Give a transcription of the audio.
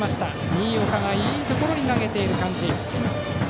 新岡がいいところに投げている感じ。